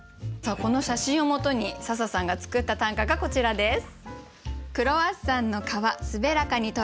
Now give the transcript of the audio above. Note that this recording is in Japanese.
この写真をもとに笹さんが作った短歌がこちらです。